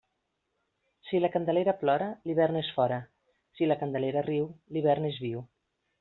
Si la Candelera plora, l'hivern és fora; si la Candelera riu, l'hivern és viu.